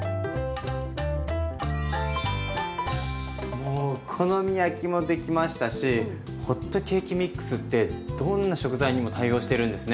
もうお好み焼きもできましたしホットケーキミックスってどんな食材にも対応してるんですね。